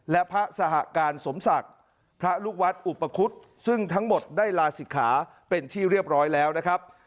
และพระสหการสมศักดิ์พระลูกวัดอุปคุฎซึ่งทั้งหมดได้ลาศิกขาเป็นที่เรียบร้อยแล้วนะครับ